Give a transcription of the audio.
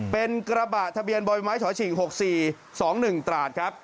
เป็นกระบะทะเบียนบ่อยไม้ฉอฉิง๖๔๒๑ตราดครับ